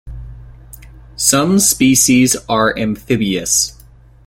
Some species are amphibious.